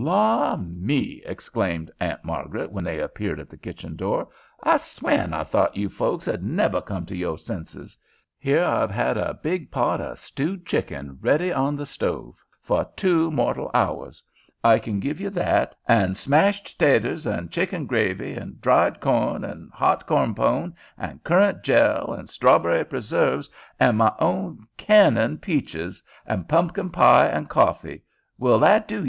"Law me!" exclaimed Aunt Margaret when they appeared at the kitchen door. "I swan I thought you folks 'u'd never come to yore senses. Here I've had a big pot o' stewed chicken ready on the stove fer two mortal hours. I kin give ye that, an' smashed taters an' chicken gravy, an' dried corn, an' hot corn pone, an' currant jell, an' strawberry preserves, an' my own cannin' o' peaches, an' pumpkin pie an' coffee. Will that do ye?"